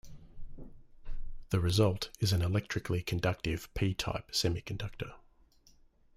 The result is an electrically conductive p-type semiconductor.